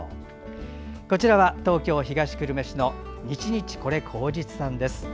こちらは東京都東久留米市の日々是好日さんです。